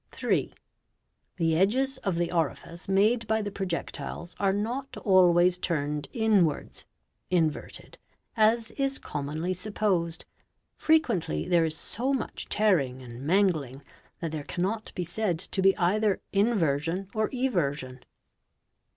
3. The edges of the orifice made by the projectiles are not always turned inwards (inverted) as is commonly supposed, frequently there is so much tearing and mangling that there cannot be sdid to be either — inversion or eversion.